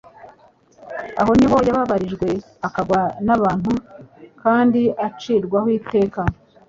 Aho ni ho yababarijwe, akangwa n'abantu kandi acirwaho iteka.